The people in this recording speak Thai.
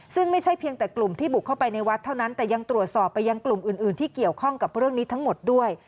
ซึ่งไม่ใช่เพียงแต่กลุ่มที่บุกเข้าไปในวัดเท่านั้นแต่ยังตรวจสอบไปยังกลุ่มอื่นที่เกี่ยวข้องกับเรื่องนี้ทั้งหมดด้วย